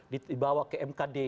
dibawa ke mkd